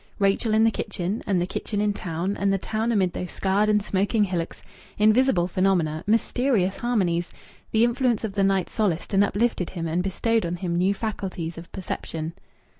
Rachel in the kitchen, and the kitchen in town, and the town amid those scarred and smoking hillocks!... Invisible phenomena! Mysterious harmonies! The influence of the night solaced and uplifted him and bestowed on him new faculties of perception.